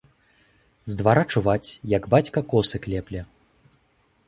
З двара чуваць, як бацька косы клепле.